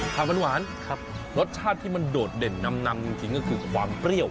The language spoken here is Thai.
ผักหวานครับรสชาติที่มันโดดเด่นนำจริงก็คือความเปรี้ยว